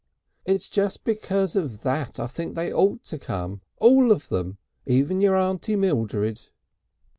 It's just because of that I think they ought to come all of them even your Aunt Mildred."